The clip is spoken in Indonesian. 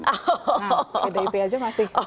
nah pd ip aja masih